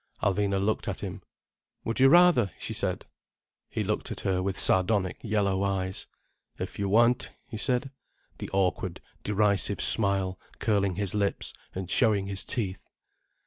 Alvina looked at him. "Would you rather?" she said. He looked at her with sardonic yellow eyes. "If you want," he said, the awkward, derisive smile curling his lips and showing his teeth.